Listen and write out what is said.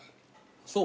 そう？